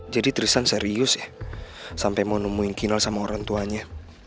jadi tristan serius ya sampai mau nemuin kinar sama orang tuanya